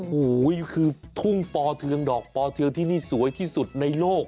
โอ้โหคือทุ่งปอเทืองดอกปอเทืองที่นี่สวยที่สุดในโลก